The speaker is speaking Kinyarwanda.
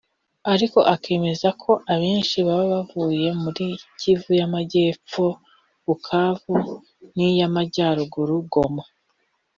ariko akemeza ko abenshi baba bavuye muri Kivu y’Amajyepfo (Bukavu) n’iy’Amajyaruguru (Goma)